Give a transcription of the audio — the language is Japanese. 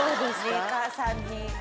メーカーさんに。